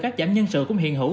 các giảm nhân sự cũng hiện hữu